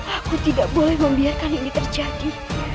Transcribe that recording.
aku tidak boleh membiarkan ini terjadi